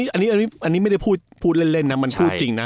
อันนี้ไม่ได้พูดเล่นนะมันพูดจริงนะ